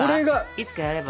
いつかやれば？